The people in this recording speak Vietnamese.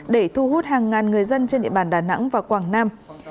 để thu hút hàng ngàn người dân trên địa bàn đà nẵng và quảng nam